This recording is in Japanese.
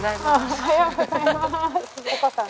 おはようございます。